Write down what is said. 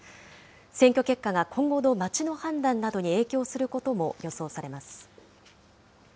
選挙結果が今後の町の判断などに影響することも予想されます。